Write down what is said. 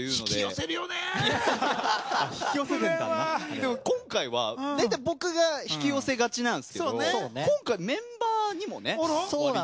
でも今回は大体僕が引き寄せがちなんですけど今回メンバーにもねわりと。